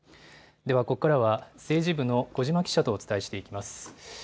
ではここからは、政治部の小嶋記者とお伝えしていきます。